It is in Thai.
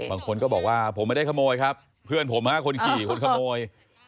บางคนก็บอกว่าผมไม่ได้ขโมยครับเพื่อนผมฮะคนขี่คนขโมย